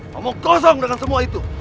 ngomong kosong dengan semua itu